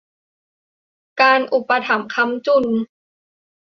การอุปถัมภ์ค้ำจุน